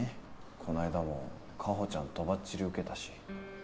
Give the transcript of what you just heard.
この間も夏帆ちゃんとばっちり受けたし。